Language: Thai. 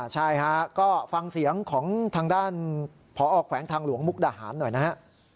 ใช่ฮะก็ฟังเสียงของทางด้านผอแขวงทางหลวงมุกดาหารหน่อยนะฮะ